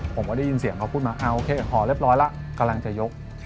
ผมก็ได้ยินเสียงเขาพูดมาโอเคห่อเรียบร้อยแล้วกำลังจะยก